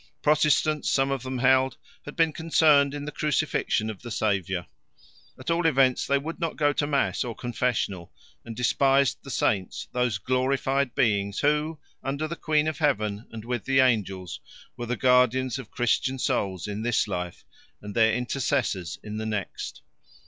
Protestants, some of them held, had been concerned in the crucifixion of the Saviour; at all events, they would not go to mass or confessional, and despised the saints, those glorified beings who, under the Queen of Heaven, and with the angels, were the guardians of Christian souls in this life and their intercessors in the next.